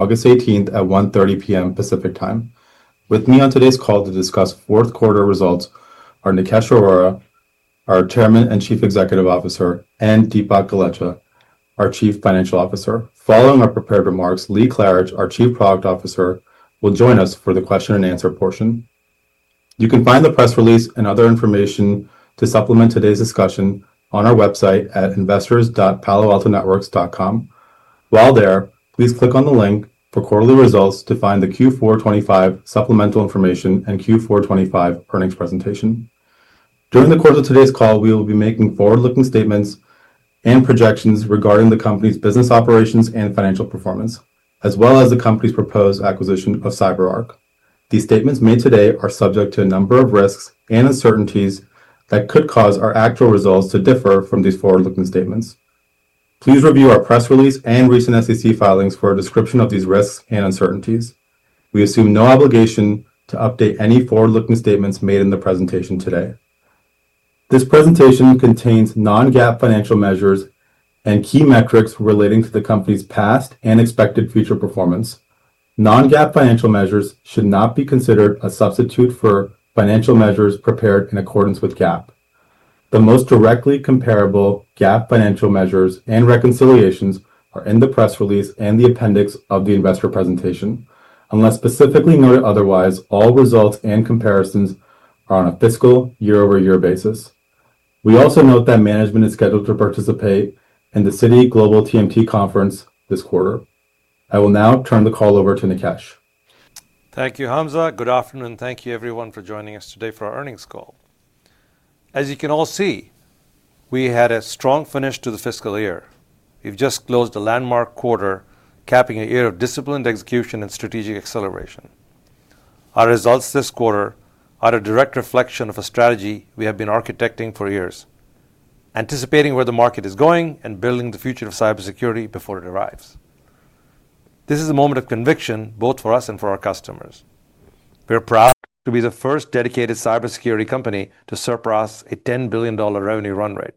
August 18th at 1:30 P.M. Pacific Time. With me on today's call to discuss Fourth Quarter Results are Nikesh Arora, our Chairman and Chief Executive Officer, and Dipak Golechha, our Chief Financial Officer. Following my prepared remarks, Lee Klarich, our Chief Product Officer, will join us for the question and answer portion. You can find the press release and other information to supplement today's discussion on our website at investors.paloaltonetworks.com. While there, please click on the link for quarterly results to find the Q4 2025 supplemental information and Q4 2025 earnings presentation. During the course of today's call, we will be making forward-looking statements and projections regarding the company's business operations and financial performance, as well as the company's proposed acquisition of CyberArk. These statements made today are subject to a number of risks and uncertainties that could cause our actual results to differ from these forward-looking statements. Please review our press release and recent SEC filings for a description of these risks and uncertainties. We assume no obligation to update any forward-looking statements made in the presentation today. This presentation contains non-GAAP financial measures and key metrics relating to the company's past and expected future performance. Non-GAAP financial measures should not be considered a substitute for financial measures prepared in accordance with GAAP. The most directly comparable GAAP financial measures and reconciliations are in the press release and the appendix of the investor presentation. Unless specifically noted otherwise, all results and comparisons are on a fiscal year-over-year basis. We also note that management is scheduled to participate in the Citi Global TMT Conference this quarter. I will now turn the call over to Nikesh. Thank you, Hamza. Good afternoon. Thank you, everyone, for joining us today for our earnings call. As you can all see, we had a strong finish to the fiscal year. We've just closed a landmark quarter, capping a year of disciplined execution and strategic acceleration. Our results this quarter are a direct reflection of a strategy we have been architecting for years, anticipating where the market is going and building the future of cybersecurity before it arrives. This is a moment of conviction, both for us and for our customers. We're proud to be the first dedicated cybersecurity company to surpass a $10 billion revenue run rate.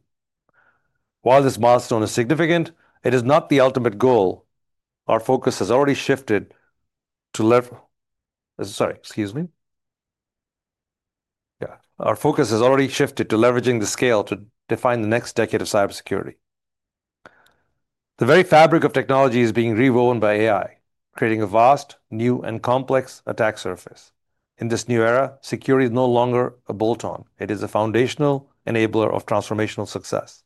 While this milestone is significant, it is not the ultimate goal. Our focus has already shifted to leveraging the scale to define the next decade of cybersecurity. The very fabric of technology is being rewoven by AI, creating a vast, new, and complex attack surface. In this new era, security is no longer a bolt-on, it is a foundational enabler of transformational success.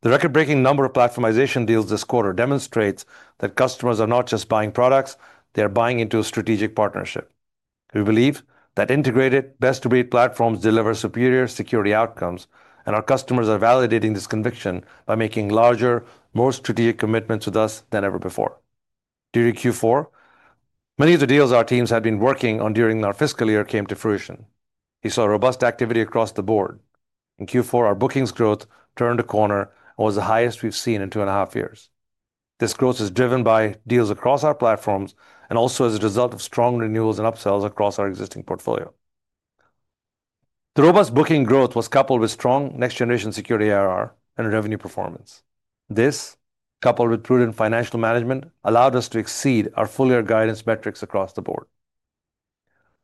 The record-breaking number of platformization deals this quarter demonstrates that customers are not just buying products, they are buying into a strategic partnership. We believe that integrated, best-of-breed platforms deliver superior security outcomes, and our customers are validating this conviction by making larger, more strategic commitments with us than ever before. During Q4, many of the deals our teams had been working on during our fiscal year came to fruition. We saw robust activity across the board. In Q4, our bookings growth turned a corner and was the highest we've seen in two and a half years. This growth is driven by deals across our platforms and also as a result of strong renewals and upsells across our existing portfolio. The robust booking growth was coupled with strong next-generation security ARR and revenue performance. This, coupled with prudent financial management, allowed us to exceed our full-year guidance metrics across the board.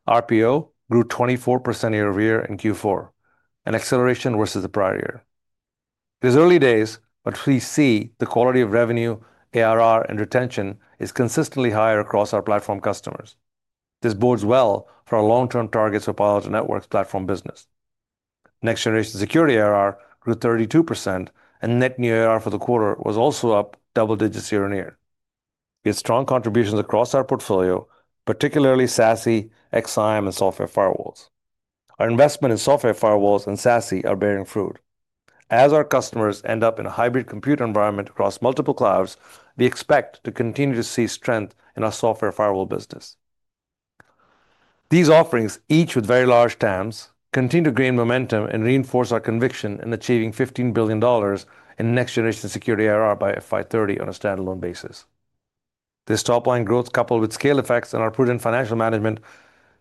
RPO grew 24% year-over-year in Q4, an acceleration versus the prior year. It was early days, but we see the quality of revenue, ARR, and retention is consistently higher across our platform customers. This bodes well for our long-term targets for Palo Alto Networks' platform business. Next-generation security ARR grew 32%, and net new ARR for the quarter was also up double digits year-over-year. We have strong contributions across our portfolio, particularly SASE, XSIAM, and software firewalls. Our investment in software firewalls and SASE are bearing fruit. As our customers end up in a hybrid compute environment across multiple clouds, we expect to continue to see strength in our software firewall business. These offerings, each with very large TAMs, continue to gain momentum and reinforce our conviction in achieving $15 billion in next-generation security ARR by FY 2030 on a standalone basis. This top-line growth, coupled with scale effects and our prudent financial management,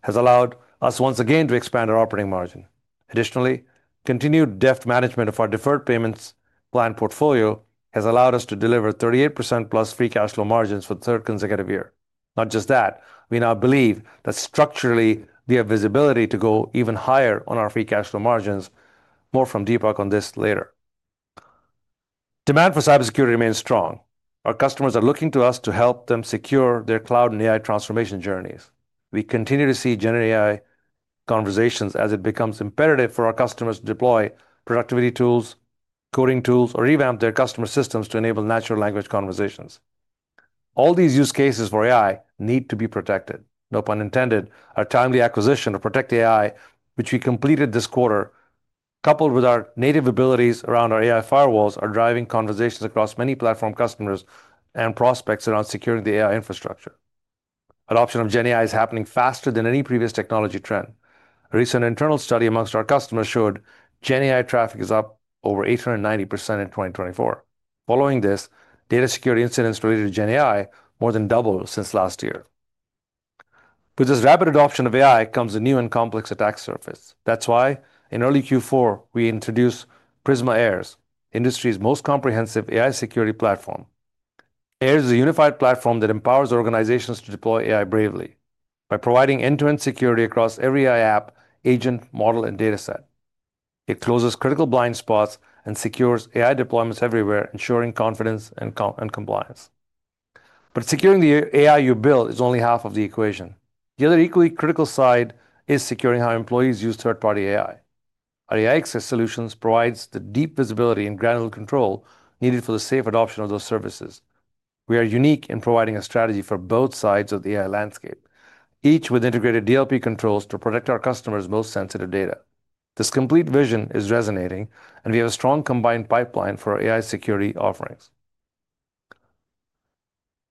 has allowed us once again to expand our operating margin. Additionally, continued deft management of our deferred payments client portfolio has allowed us to deliver 38% plus free cash flow margins for the third consecutive year. Not just that, we now believe that structurally we have visibility to go even higher on our free cash flow margins. More from Dipak on this later. Demand for cybersecurity remains strong. Our customers are looking to us to help them secure their cloud and AI transformation journeys. We continue to see generative AI conversations as it becomes imperative for our customers to deploy productivity tools, coding tools, or revamp their customer systems to enable natural language conversations. All these use cases for AI need to be protected. No pun intended, our timely acquisition of Protect AI, which we completed this quarter, coupled with our native abilities around our AI firewalls, are driving conversations across many platform customers and prospects around securing the AI infrastructure. Adoption of GenAI is happening faster than any previous technology trend. A recent internal study amongst our customers showed GenAI traffic is up over 890% in 2024. Following this, data security incidents related to GenAI more than doubled since last year. With this rapid adoption of AI comes a new and complex attack surface. That is why in early Q4, we introduced Prisma AIRS, industry's most comprehensive AI security platform. AIRSI is a unified platform that empowers organizations to deploy AI bravely by providing end-to-end security across every AI app, agent, model, and dataset. It closes critical blind spots and secures AI deployments everywhere, ensuring confidence and compliance. Securing the AI you build is only half of the equation. The other equally critical side is securing how employees use third-party AI. Our AI access solutions provide the deep visibility and granular control needed for the safe adoption of those services. We are unique in providing a strategy for both sides of the AI landscape, each with integrated DLP controls to protect our customers' most sensitive data. This complete vision is resonating, and we have a strong combined pipeline for our AI security offerings.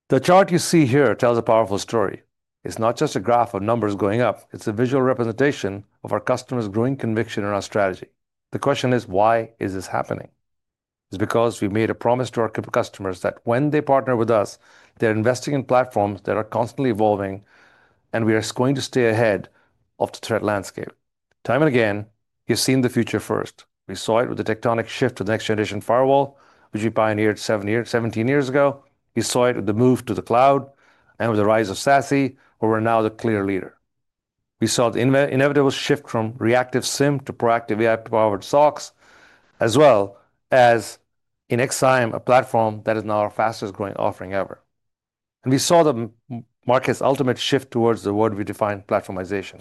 The chart you see here tells a powerful story. It's not just a graph of numbers going up. It's a visual representation of our customers' growing conviction in our strategy. The question is, why is this happening? It's because we made a promise to our customers that when they partner with us, they're investing in platforms that are constantly evolving, and we are going to stay ahead of the threat landscape. Time and again, we've seen the future first. We saw it with the tectonic shift to the next-generation firewall, which we pioneered 17 years ago. We saw it with the move to the cloud and with the rise of SASE, where we're now the clear leader. We saw the inevitable shift from reactive SIEM to proactive AI-powered SOCs, as well as in XSIAM, a platform that is now our fastest growing offering ever. We saw the market's ultimate shift towards the word we define "platformization."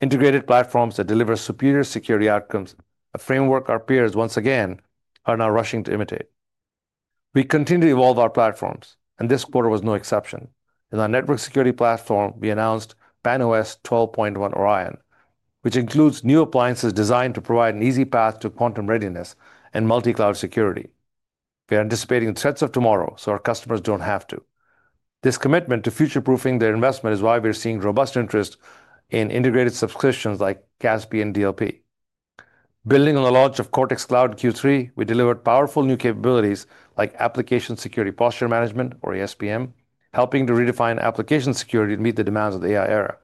Integrated platforms that deliver superior security outcomes, a framework our peers once again are now rushing to imitate. We continue to evolve our platforms, and this quarter was no exception. In our network security platform, we announced PAN-OS 12.1 Orion, which includes new appliances designed to provide an easy path to quantum readiness and multi-cloud security. We are anticipating the threats of tomorrow so our customers don't have to. This commitment to future-proofing their investment is why we're seeing robust interest in integrated subscriptions like CASP and DLP. Building on the launch of Cortex Cloud in Q3, we delivered powerful new capabilities like Application Security Posture Management, or ASPM, helping to redefine application security to meet the demands of the AI era.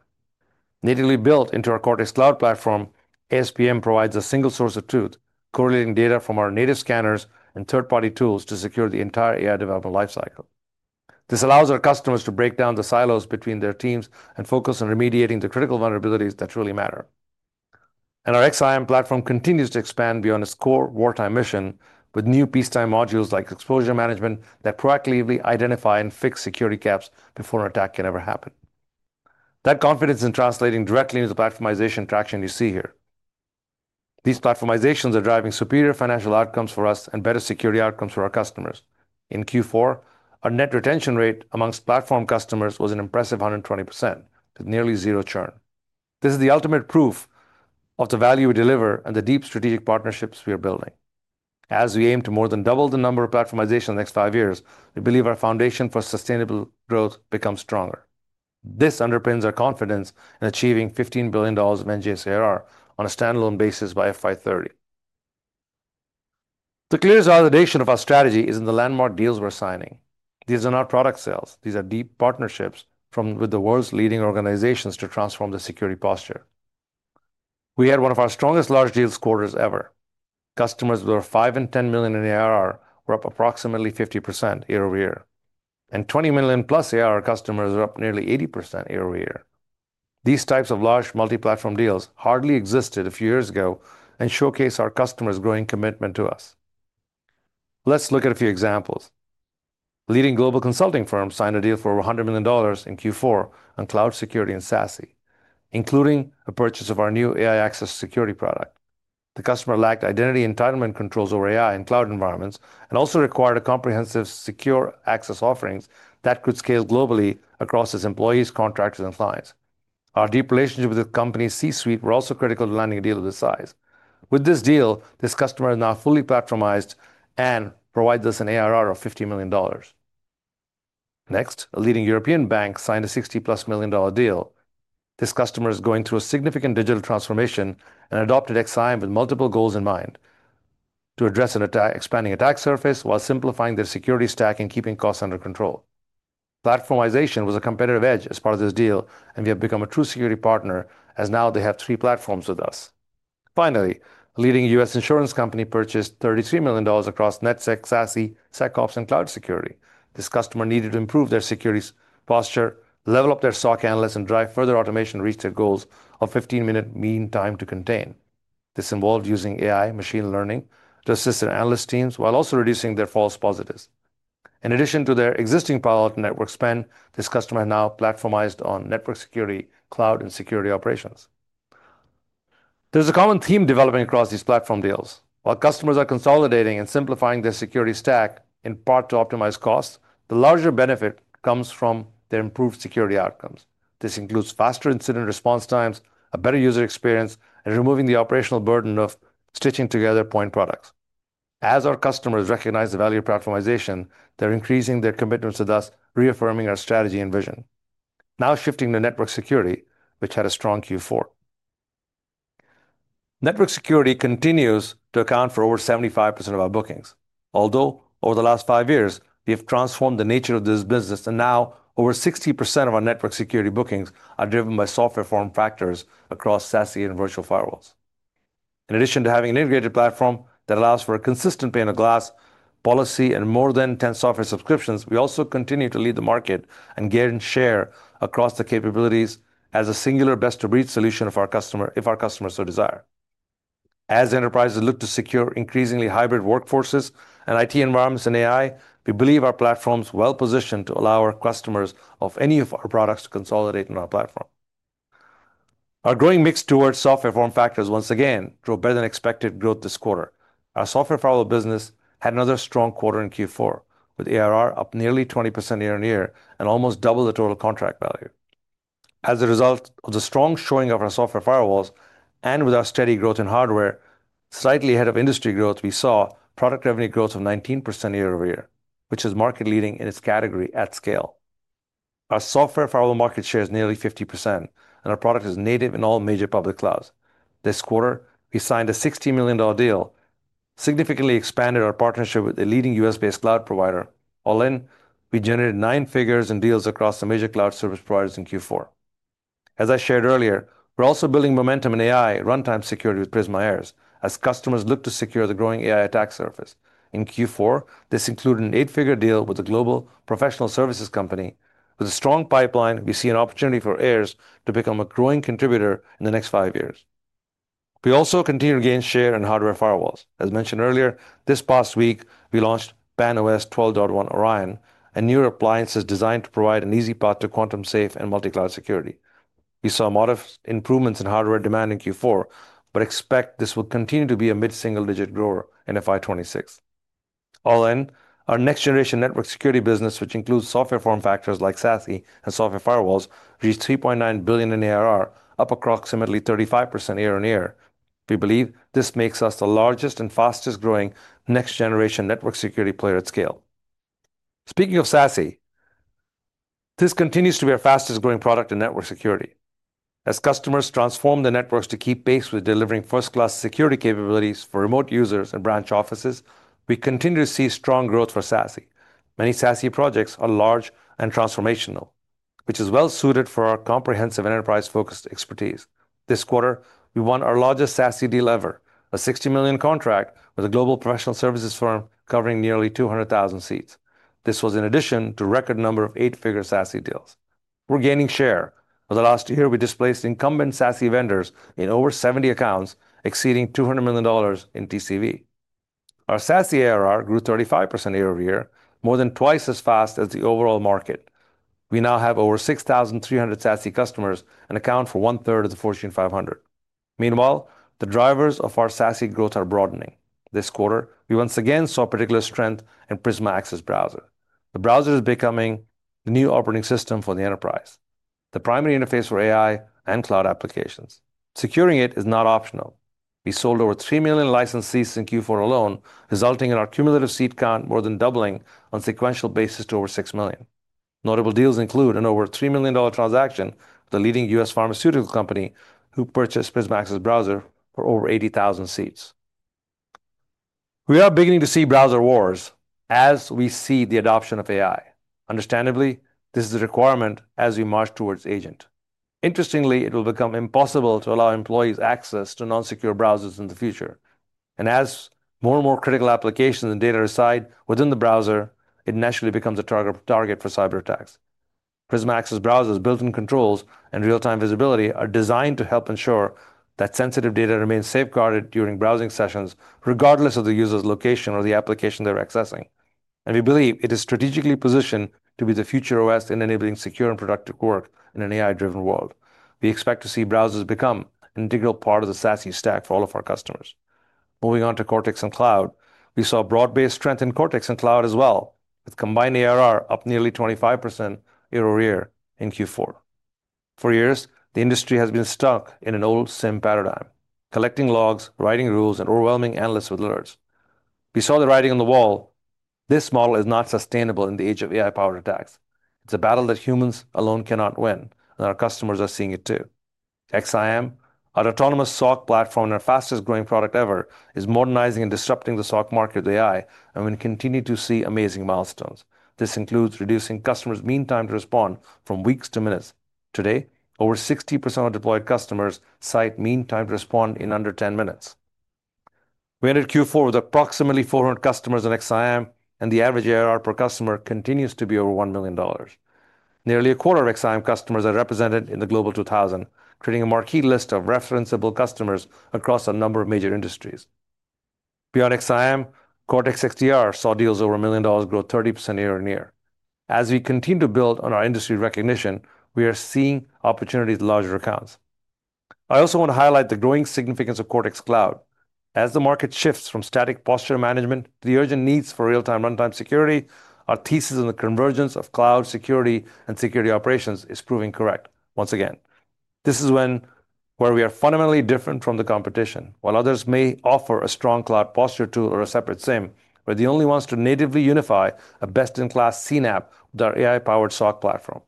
Natively built into our Cortex Cloud platform, ASPM provides a single source of truth, correlating data from our native scanners and third-party tools to secure the entire AI development lifecycle. This allows our customers to break down the silos between their teams and focus on remediating the critical vulnerabilities that truly matter. Our XSIAM platform continues to expand beyond its core wartime mission with new peacetime modules like exposure management that proactively identify and fix security gaps before an attack can ever happen. That confidence is translating directly into the platformization traction you see here. These platformizations are driving superior financial outcomes for us and better security outcomes for our customers. In Q4, our net retention rate amongst platform customers was an impressive 120%, with nearly zero churn. This is the ultimate proof of the value we deliver and the deep strategic partnerships we are building. As we aim to more than double the number of platformizations in the next five years, we believe our foundation for sustainable growth becomes stronger. This underpins our confidence in achieving $15 billion of NGS ARR on a standalone basis by FY 2030. The clearest validation of our strategy is in the landmark deals we're signing. These are not product sales. These are deep partnerships with the world's leading organizations to transform the security posture. We had one of our strongest large deals quarters ever. Customers with over $5 million and $10 million in ARR were up approximately 50% year-over-year, and $20 million plus ARR customers were up nearly 80% year-over-year. These types of large multi-platform deals hardly existed a few years ago and showcase our customers' growing commitment to us. Let's look at a few examples. Leading global consulting firms signed a deal for over $100 million in Q4 on cloud security and SASE, including a purchase of our new AI access security product. The customer lacked identity entitlement controls over AI in cloud environments and also required a comprehensive secure access offering that could scale globally across its employees, contractors, and clients. Our deep relationship with the company's C-suite was also critical to landing a deal of this size. With this deal, this customer is now fully platformized and provides us an ARR of $50 million. Next, a leading European bank signed a $60 million plus deal. This customer is going through a significant digital transformation and adopted XSIAM with multiple goals in mind: to address an expanding attack surface while simplifying their security stack and keeping costs under control. Platformization was a competitive edge as part of this deal, and we have become a true security partner as now they have three platforms with us. Finally, a leading U.S. An insurance company purchased $33 million across NetSec SASE, SecOps, and cloud security. This customer needed to improve their security posture, level up their SOC analysts, and drive further automation to reach their goals of 15-minute mean time to contain. This involved using AI machine learning to assist their analyst teams while also reducing their false positives. In addition to their existing Palo Alto Networks spend, this customer is now platformized on network security, cloud, and security operations. There's a common theme developing across these platform deals. While customers are consolidating and simplifying their security stack in part to optimize costs, the larger benefit comes from their improved security outcomes. This includes faster incident response times, a better user experience, and removing the operational burden of stitching together point products. As our customers recognize the value of platformization, they're increasing their commitments to us, thus reaffirming our strategy and vision. Now shifting to network security, which had a strong Q4. Network security continues to account for over 75% of our bookings, although over the last five years, we have transformed the nature of this business, and now over 60% of our network security bookings are driven by software form factors across SASE and virtual firewalls. In addition to having an integrated platform that allows for a consistent pane of glass policy and more than 10 software subscriptions, we also continue to lead the market and gain share across the capabilities as a singular best-of-breed solution if our customers so desire. As enterprises look to secure increasingly hybrid workforces and IT environments in AI, we believe our platform's well-positioned to allow our customers of any of our products to consolidate on our platform. Our growing mix towards software form factors once again drove better-than-expected growth this quarter. Our software firewall business had another strong quarter in Q4, with ARR up nearly 20% year-over-year and almost double the total contract value. As a result of the strong showing of our software firewalls and with our steady growth in hardware, slightly ahead of industry growth, we saw product revenue growth of 19% year-over-year, which is market-leading in its category at scale. Our software firewall market share is nearly 50%, and our product is native in all major public clouds. This quarter, we signed a $60 million deal, significantly expanded our partnership with a leading U.S.-based cloud provider. All in, we generated nine figures in deals across the major cloud service providers in Q4. As I shared earlier, we're also building momentum in AI runtime security with Prisma AIRS as customers look to secure the growing AI attack surface. In Q4, this included an eight-figure deal with a global professional services company. With a strong pipeline, we see an opportunity for AIRS to become a growing contributor in the next five years. We also continue to gain share in hardware firewalls. As mentioned earlier, this past week, we launched PAN-OS 12.1 Orion, a new appliance designed to provide an easy path to quantum safe and multi-cloud security. We saw modest improvements in hardware demand in Q4, but expect this will continue to be a mid-single-digit grower in FY 2026. All in, our next-generation network security business, which includes software form factors like SASE and software firewalls, reached $3.9 billion in ARR, up approximately 35% year-over-year. We believe this makes us the largest and fastest growing next-generation network security player at scale. Speaking of SASE, this continues to be our fastest growing product in network security. As customers transform their networks to keep pace with delivering first-class security capabilities for remote users and branch offices, we continue to see strong growth for SASE. Many SASE projects are large and transformational, which is well suited for our comprehensive enterprise-focused expertise. This quarter, we won our largest SASE deal ever, a $60 million contract with a global professional services firm covering nearly 200,000 seats. This was in addition to a record number of eight-figure SASE deals. We're gaining share. Over the last year, we displaced incumbent SASE vendors in over 70 accounts, exceeding $200 million in TCV. Our SASE ARR grew 35% year-over-year, more than twice as fast as the overall market. We now have over 6,300 SASE customers and account for one-third of the Fortune 500. Meanwhile, the drivers of our SASE growth are broadening. This quarter, we once again saw particular strength in Prisma Access Browser. The browser is becoming the new operating system for the enterprise, the primary interface for AI and cloud applications. Securing it is not optional. We sold over 3 million license seats in Q4 alone, resulting in our cumulative seat count more than doubling on a sequential basis to over 6 million. Notable deals include an over $3 million transaction with a leading U.S. pharmaceutical company who purchased Prisma Access Browser for over 80,000 seats. We are beginning to see browser wars as we see the adoption of AI. This is a requirement as we march towards agent. Interestingly, it will become impossible to allow employees access to non-secure browsers in the future. As more and more critical applications and data reside within the browser, it naturally becomes a target for cyber attacks. Prisma Access Browser's built-in controls and real-time visibility are designed to help ensure that sensitive data remains safeguarded during browsing sessions, regardless of the user's location or the application they're accessing. We believe it is strategically positioned to be the future OS in enabling secure and productive work in an AI-driven world. We expect to see browsers become an integral part of the SASE stack for all of our customers. Moving on to Cortex and Cloud, we saw broad-based strength in Cortex and Cloud as well, with combined ARR up nearly 25% year-over-year in Q4. For years, the industry has been stuck in an old SIEM paradigm, collecting logs, writing rules, and overwhelming analysts with alerts. We saw the writing on the wall. This model is not sustainable in the age of AI-powered attacks. It's a battle that humans alone cannot win, and our customers are seeing it too. XSIAM, our autonomous SOC platform and our fastest growing product ever, is modernizing and disrupting the SOC market with AI, and we continue to see amazing milestones. This includes reducing customers' mean time to respond from weeks to minutes. Today, over 60% of deployed customers cite mean time to respond in under 10 minutes. We ended Q4 with approximately 400 customers in XSIAM, and the average ARR per customer continues to be over $1 million. Nearly a quarter of XSIAM customers are represented in the Global 2000, creating a marquee list of referenceable customers across a number of major industries. Beyond XSIAM, Cortex XDR saw deals over $1 million grow 30% year-over-year. As we continue to build on our industry recognition, we are seeing opportunities in larger accounts. I also want to highlight the growing significance of Cortex Cloud. As the market shifts from static posture management to the urgent needs for real-time runtime security, our thesis on the convergence of cloud security and security operations is proving correct once again. This is where we are fundamentally different from the competition. While others may offer a strong cloud posture tool or a separate SIEM, we're the only ones to natively unify a best-in-class SIEM app with our AI-powered SOC platform.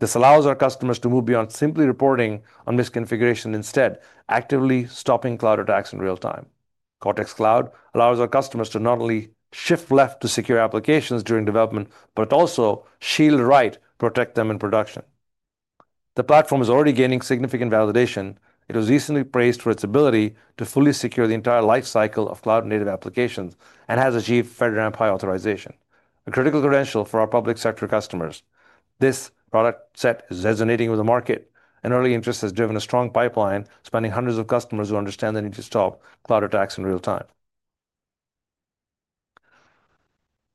This allows our customers to move beyond simply reporting on misconfiguration, instead actively stopping cloud attacks in real time. Cortex Cloud allows our customers to not only shift left to secure applications during development but also shield right, protect them in production. The platform is already gaining significant validation. It was recently praised for its ability to fully secure the entire lifecycle of cloud-native applications and has achieved federated API authorization, a critical credential for our public sector customers. This product set is resonating with the market, and early interest has driven a strong pipeline, spanning hundreds of customers who understand the need to stop cloud attacks in real time.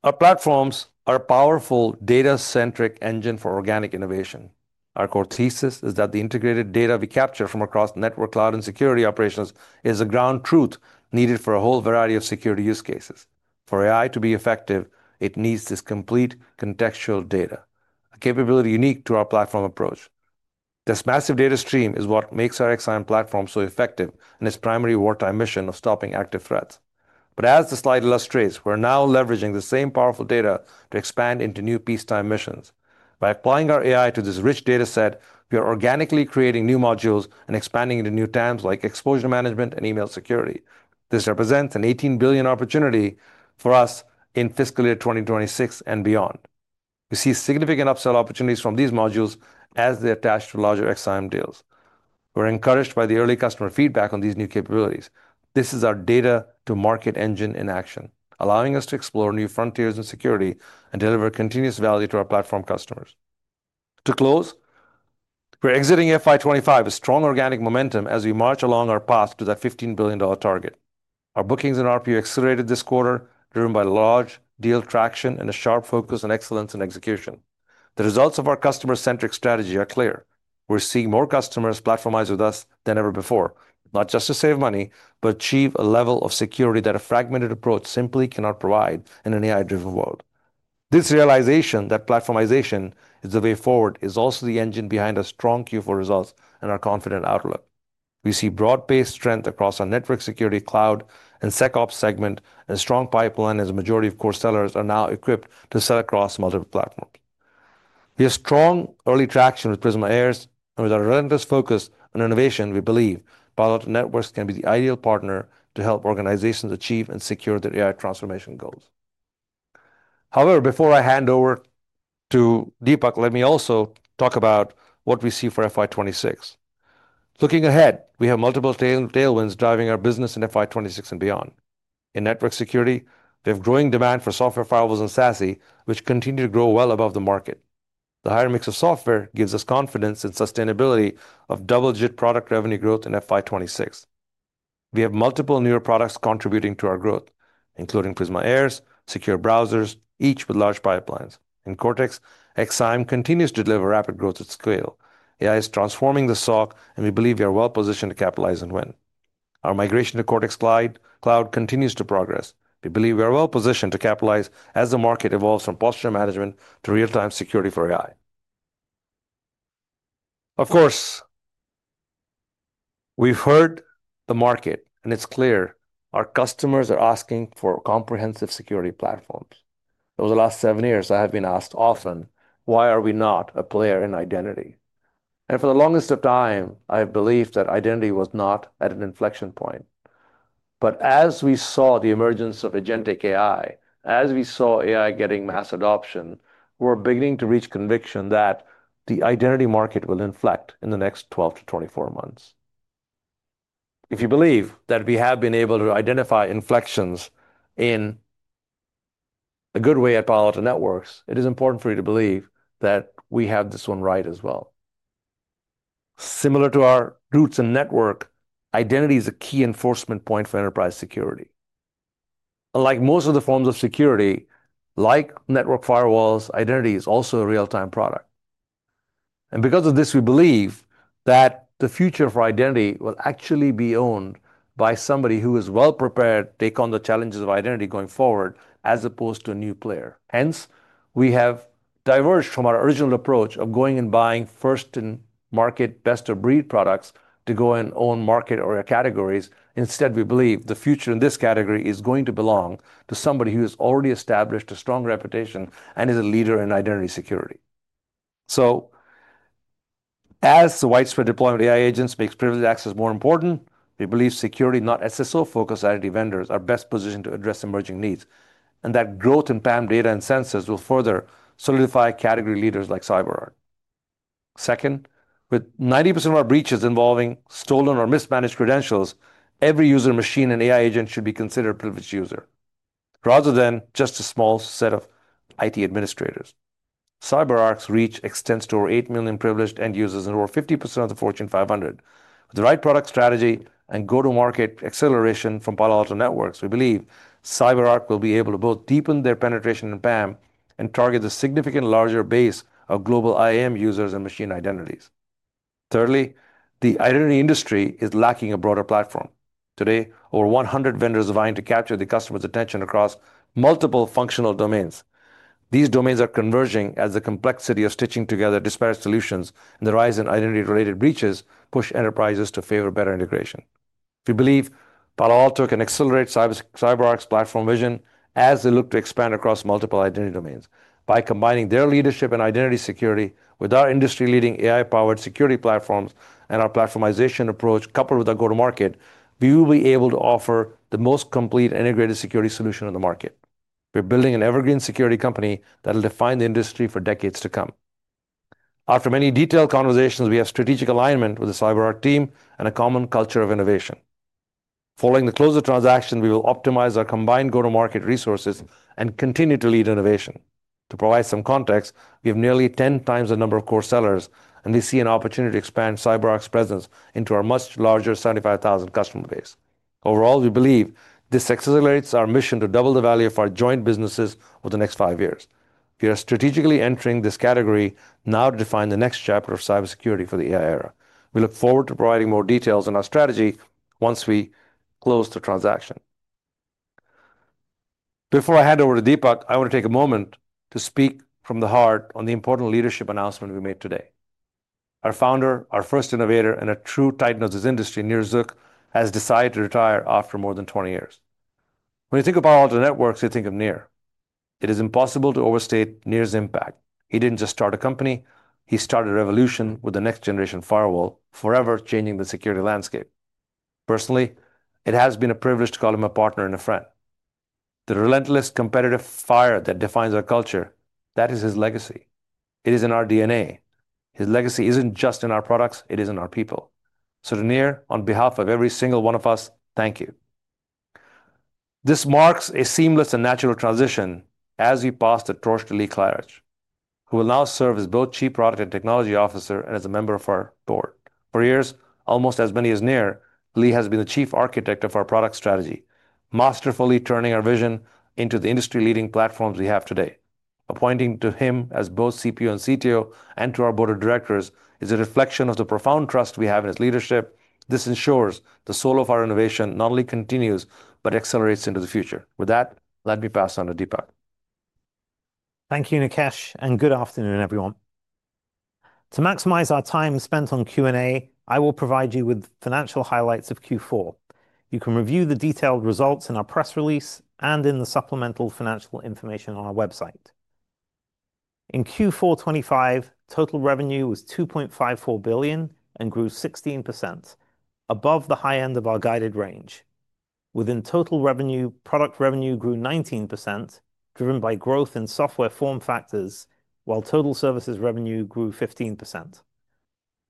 Our platforms are a powerful data-centric engine for organic innovation. Our core thesis is that the integrated data we capture from across network, cloud, and security operations is the ground truth needed for a whole variety of security use cases. For AI to be effective, it needs this complete contextual data, a capability unique to our platform approach. This massive data stream is what makes our XSIAM platform so effective in its primary wartime mission of stopping active threats. As the slide illustrates, we're now leveraging the same powerful data to expand into new peacetime missions. By applying our AI to this rich dataset, we are organically creating new modules and expanding into new TAMs like exposure management and email security. This represents an $18 billion opportunity for us in fiscal year 2026 and beyond. We see significant upsell opportunities from these modules as they attach to larger XSIAM deals. We're encouraged by the early customer feedback on these new capabilities. This is our data-to-market engine in action, allowing us to explore new frontiers in security and deliver continuous value to our platform customers. To close, we're exiting FY 2025 with strong organic momentum as we march along our path to that $15 billion target. Our bookings and RPO accelerated this quarter, driven by large deal traction and a sharp focus on excellence in execution. The results of our customer-centric strategy are clear. We're seeing more customers platformize with us than ever before, not just to save money, but achieve a level of security that a fragmented approach simply cannot provide in an AI-driven world. This realization that platformization is the way forward is also the engine behind our strong Q4 results and our confident outlook. We see broad-based strength across our network security, cloud, and SecOps segment, and a strong pipeline as a majority of core sellers are now equipped to sell across multiple platforms. We have strong early traction with Prisma AIRS, and with our relentless focus on innovation, we believe Palo Alto Networks can be the ideal partner to help organizations achieve and secure their AI transformation goals. However, before I hand over to Dipak, let me also talk about what we see for FY 2026. Looking ahead, we have multiple tailwinds driving our business in FY 2026 and beyond. In network security, we have growing demand for software firewalls and SASE, which continue to grow well above the market. The higher mix of software gives us confidence in the sustainability of double-digit product revenue growth in FY 2026. We have multiple newer products contributing to our growth, including Prisma AIRS, secure browsers, each with large pipelines. In Cortex, XSIAM continues to deliver rapid growth at scale. AI is transforming the SOC, and we believe we are well-positioned to capitalize and win. Our migration to Cortex Cloud continues to progress. We believe we are well-positioned to capitalize as the market evolves from posture management to real-time security for AI. Of course, we've heard the market, and it's clear our customers are asking for comprehensive security platforms. Over the last seven years, I have been asked often, why are we not a player in identity? For the longest of time, I believed that identity was not at an inflection point. As we saw the emergence of agentic AI, as we saw AI getting mass adoption, we're beginning to reach conviction that the identity market will inflect in the next 12-24 months. If you believe that we have been able to identify inflections in a good way at Palo Alto Networks, it is important for you to believe that we have this one right as well. Similar to our roots in network, identity is a key enforcement point for enterprise security. Unlike most of the forms of security, like network firewalls, identity is also a real-time product. Because of this, we believe that the future for identity will actually be owned by somebody who is well-prepared to take on the challenges of identity going forward, as opposed to a new player. Hence, we have diverged from our original approach of going and buying first-in-market best-of-breed products to go and own market or categories. Instead, we believe the future in this category is going to belong to somebody who has already established a strong reputation and is a leader in identity security. As the widespread deployment of AI agents makes privileged access more important, we believe security, not SSO-focused identity vendors, are best positioned to address emerging needs, and that growth in PAM data and sensors will further solidify category leaders like CyberArk. Second, with 90% of our breaches involving stolen or mismanaged credentials, every user machine and AI agent should be considered a privileged user rather than just a small set of IT administrators. CyberArk's reach extends to over 8 million privileged end users and over 50% of the Fortune 500. With the right product strategy and go-to-market acceleration from Palo Alto Networks, we believe CyberArk will be able to both deepen their penetration in PAM and target a significantly larger base of global IAM users and machine identities. Thirdly, the identity industry is lacking a broader platform. Today, over 100 vendors are vying to capture the customer's attention across multiple functional domains. These domains are converging as the complexity of stitching together disparate solutions and the rise in identity-related breaches push enterprises to favor better integration. We believe Palo Alto can accelerate CyberArk's platform vision as they look to expand across multiple identity domains. By combining their leadership in identity security with our industry-leading AI-powered security platforms and our platformization approach, coupled with our go-to-market, we will be able to offer the most complete integrated security solution in the market. We're building an evergreen security company that will define the industry for decades to come. After many detailed conversations, we have strategic alignment with the CyberArk team and a common culture of innovation. Following the close of transaction, we will optimize our combined go-to-market resources and continue to lead innovation. To provide some context, we have nearly 10 times the number of core sellers, and we see an opportunity to expand CyberArk's presence into our much larger 75,000 customer base. Overall, we believe this accelerates our mission to double the value of our joint businesses over the next five years. We are strategically entering this category now to define the next chapter of cybersecurity for the AI era. We look forward to providing more details on our strategy once we close the transaction. Before I hand over to Dipak, I want to take a moment to speak from the heart on the important leadership announcement we made today. Our founder, our first innovator, and a true titan of this industry, Nir Zuk, has decided to retire after more than 20 years. When you think of Palo Alto Networks, you think of Nir. It is impossible to overstate Nir's impact. He didn't just start a company; he started a revolution with the next-generation firewall, forever changing the security landscape. Personally, it has been a privilege to call him a partner and a friend. The relentless competitive fire that defines our culture, that is his legacy. It is in our DNA. His legacy isn't just in our products; it is in our people. To Nir, on behalf of every single one of us, thank you. This marks a seamless and natural transition as we pass the torch to Lee Klarich, who will now serve as both Chief Product and Technology Officer and as a member of our board. For years, almost as many as Nir, Lee has been the chief architect of our product strategy, masterfully turning our vision into the industry-leading platforms we have today. Appointing him as both CPO and CTO and to our board of directors is a reflection of the profound trust we have in his leadership. This ensures the soul of our innovation not only continues but accelerates into the future. With that, let me pass on to Dipak. Thank you, Nikesh, and good afternoon, everyone. To maximize our time spent on Q&A, I will provide you with financial highlights of Q4. You can review the detailed results in our press release and in the supplemental financial information on our website. In Q4 2025, total revenue was $2.54 billion and grew 16%, above the high end of our guided range. Within total revenue, product revenue grew 19%, driven by growth in software form factors, while total services revenue grew 15%.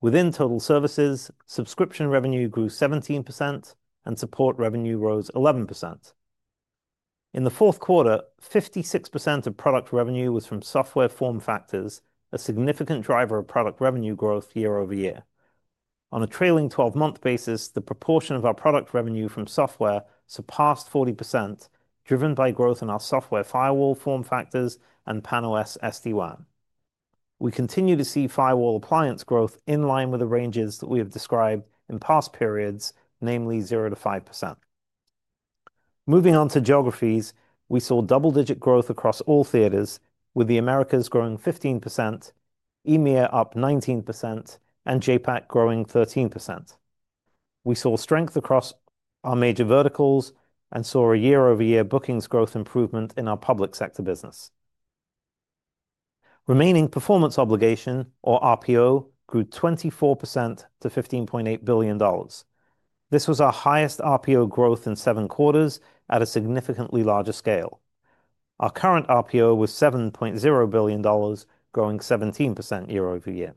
Within total services, subscription revenue grew 17%, and support revenue rose 11%. In the fourth quarter, 56% of product revenue was from software form factors, a significant driver of product revenue growth year-over-year. On a trailing 12-month basis, the proportion of our product revenue from software surpassed 40%, driven by growth in our software firewalls form factors and PAN-OS SD-WAN. We continue to see firewall appliance growth in line with the ranges that we have described in past periods, namely 0%-5%. Moving on to geographies, we saw double-digit growth across all theaters, with the Americas growing 15%, EMEA up 19%, and JPAK growing 13%. We saw strength across our major verticals and saw a year-over-year bookings growth improvement in our public sector business. Remaining performance obligation, or RPO, grew 24% to $15.8 billion. This was our highest RPO growth in seven quarters at a significantly larger scale. Our current RPO was $7.0 billion, growing 17% year-over-year.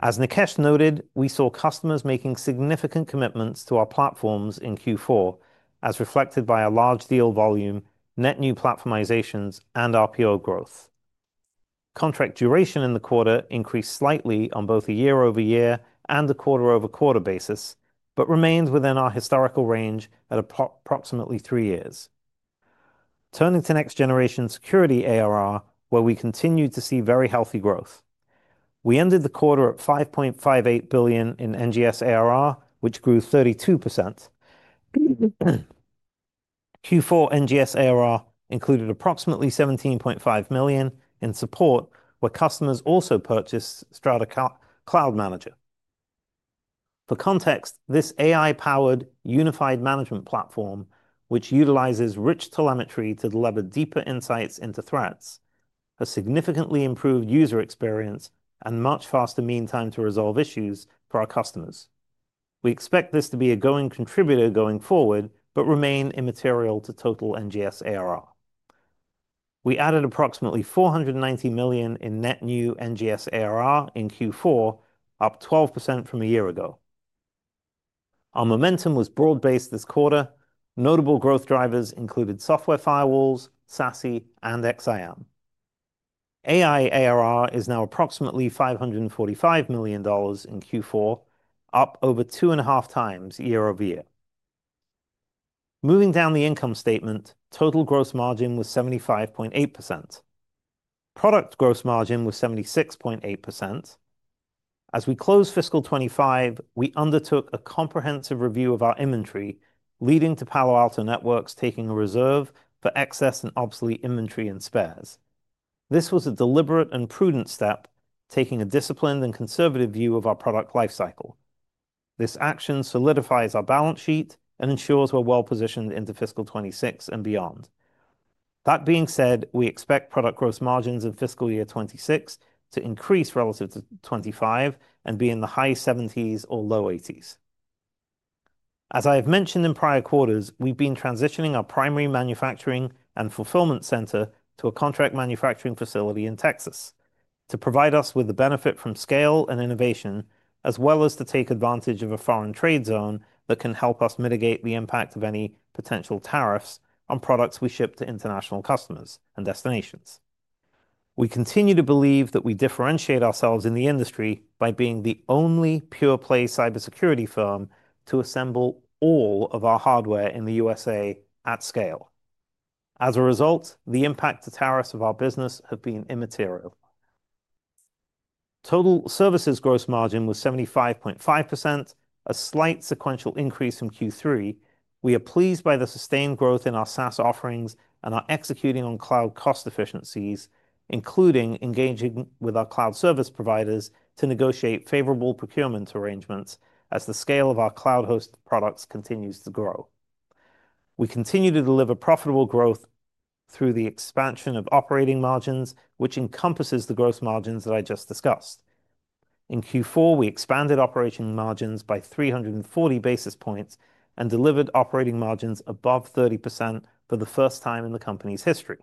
As Nikesh noted, we saw customers making significant commitments to our platforms in Q4, as reflected by a large deal volume, net new platformizations, and RPO growth. Contract duration in the quarter increased slightly on both a year-over-year and a quarter-over-quarter basis, but remains within our historical range at approximately three years. Turning to next-generation security ARR, where we continued to see very healthy growth. We ended the quarter at $5.58 billion in NGS ARR, which grew 32%. Q4 NGS ARR included approximately $17.5 million in support, where customers also purchased Strata Cloud Manager. For context, this AI-powered unified management platform, which utilizes rich telemetry to deliver deeper insights into threats, has significantly improved user experience and much faster mean time to resolve issues for our customers. We expect this to be a growing contributor going forward, but remain immaterial to total NGS ARR. We added approximately $490 million in net new NGS ARR in Q4, up 12% from a year ago. Our momentum was broad-based this quarter. Notable growth drivers included software firewalls, SASE, and XSIAM. AI ARR is now approximately $545 million in Q4, up over two and a half times year-over-year. Moving down the income statement, total gross margin was 75.8%. Product gross margin was 76.8%. As we closed fiscal 2025, we undertook a comprehensive review of our inventory, leading to Palo Alto Networks taking a reserve for excess and obsolete inventory and spares. This was a deliberate and prudent step, taking a disciplined and conservative view of our product lifecycle. This action solidifies our balance sheet and ensures we're well-positioned into fiscal 2026 and beyond. That being said, we expect product gross margins in fiscal year 2026 to increase relative to 2025 and be in the high 70% or low 80%. As I have mentioned in prior quarters, we've been transitioning our primary manufacturing and fulfillment center to a contract manufacturing facility in Texas, to provide us with the benefit from scale and innovation, as well as to take advantage of a foreign trade zone that can help us mitigate the impact of any potential tariffs on products we ship to international customers and destinations. We continue to believe that we differentiate ourselves in the industry by being the only pure-play cybersecurity firm to assemble all of our hardware in the U.S. at scale. As a result, the impact to tariffs of our business have been immaterial. Total services gross margin was 75.5%, a slight sequential increase from Q3. We are pleased by the sustained growth in our SaaS offerings and are executing on cloud cost efficiencies, including engaging with our cloud service providers to negotiate favorable procurement arrangements as the scale of our cloud-hosted products continues to grow. We continue to deliver profitable growth through the expansion of operating margins, which encompasses the gross margins that I just discussed. In Q4, we expanded operating margins by 340 basis points and delivered operating margins above 30% for the first time in the company's history.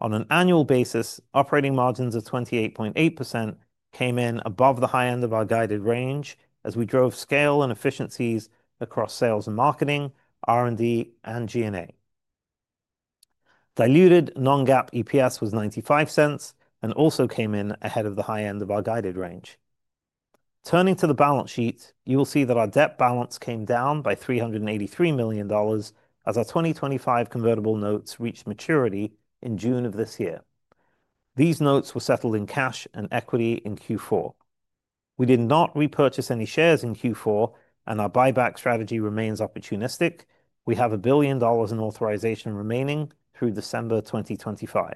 On an annual basis, operating margins of 28.8% came in above the high end of our guided range as we drove scale and efficiencies across sales and marketing, R&D, and G&A. Diluted non-GAAP EPS was $0.95 and also came in ahead of the high end of our guided range. Turning to the balance sheet, you will see that our debt balance came down by $383 million as our 2025 convertible notes reached maturity in June of this year. These notes were settled in cash and equity in Q4. We did not repurchase any shares in Q4, and our buyback strategy remains opportunistic. We have $1 billion in authorization remaining through December 2025.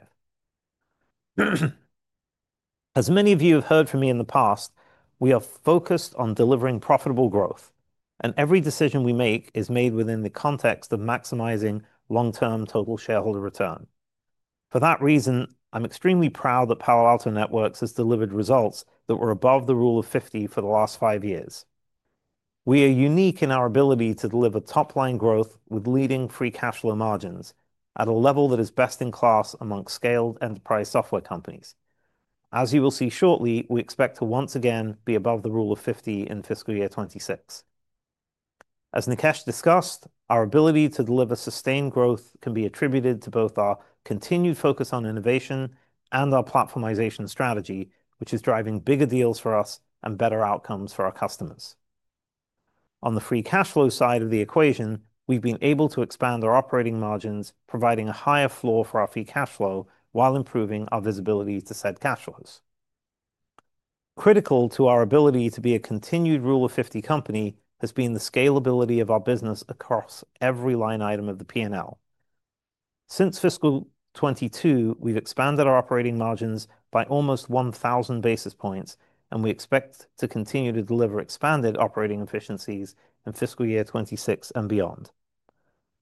As many of you have heard from me in the past, we are focused on delivering profitable growth, and every decision we make is made within the context of maximizing long-term total shareholder return. For that reason, I'm extremely proud that Palo Alto Networks has delivered results that were above the Rule of 50 for the last five years. We are unique in our ability to deliver top-line growth with leading free cash flow margins at a level that is best in class among scaled enterprise software companies. As you will see shortly, we expect to once again be above the Rule of 50 in fiscal year 2026. As Nikesh discussed, our ability to deliver sustained growth can be attributed to both our continued focus on innovation and our platformization strategy, which is driving bigger deals for us and better outcomes for our customers. On the free cash flow side of the equation, we've been able to expand our operating margins, providing a higher floor for our free cash flow while improving our visibility to said cash flows. Critical to our ability to be a continued Rule of 50 company has been the scalability of our business across every line item of the P&L. Since fiscal 2022, we've expanded our operating margins by almost 1,000 basis points, and we expect to continue to deliver expanded operating efficiencies in fiscal year 2026 and beyond.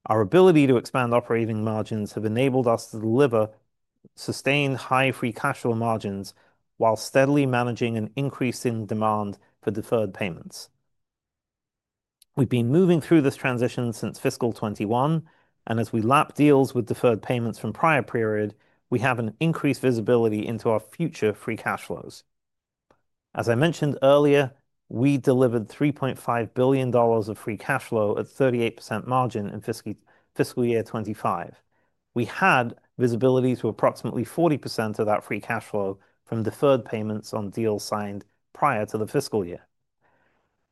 Our ability to expand operating margins has enabled us to deliver sustained high free cash flow margins while steadily managing an increase in demand for deferred payments. We've been moving through this transition since fiscal 2021, and as we lap deals with deferred payments from prior periods, we have an increased visibility into our future free cash flows. As I mentioned earlier, we delivered $3.5 billion of free cash flow at 38% margin in fiscal year 2025. We had visibility to approximately 40% of that free cash flow from deferred payments on deals signed prior to the fiscal year.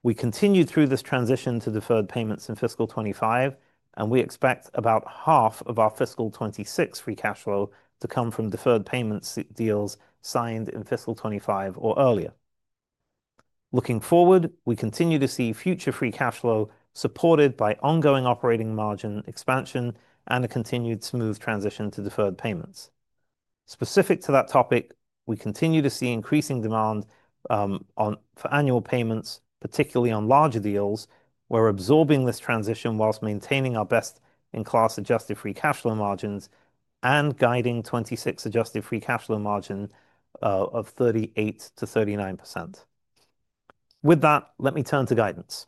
We continued through this transition to deferred payments in fiscal 2025, and we expect about half of our fiscal 2026 free cash flow to come from deferred payments deals signed in fiscal 2025 or earlier. Looking forward, we continue to see future free cash flow supported by ongoing operating margin expansion and a continued smooth transition to deferred payments. Specific to that topic, we continue to see increasing demand for annual payments, particularly on larger deals. We're absorbing this transition whilst maintaining our best-in-class adjusted free cash flow margins and guiding 2026 adjusted free cash flow margin of 38%-39%. With that, let me turn to guidance.